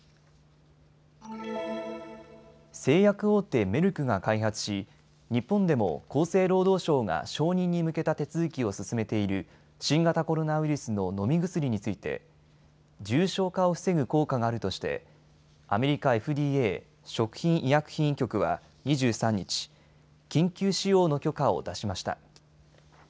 製薬大手、メルクが開発し日本でも厚生労働省が承認に向けた手続きを進めている新型コロナウイルスの飲み薬について重症化を防ぐ効果があるとしてアメリカＦＤＡ・食品医薬品局は２３日、緊急使用の許可を出しました。